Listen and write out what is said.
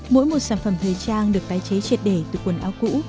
mỗi một sản phẩm thời trang được tái chế triệt để từ quần áo cũ